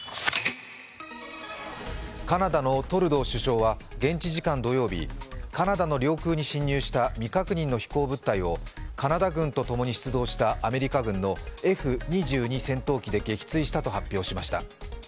カナダのトルドー首相は現地時間、土曜日カナダの領空に侵入した未確認の飛行物体をカナダ軍とともに出動したアメリカ軍のＦ−２２戦闘機で撃墜したと発表しました。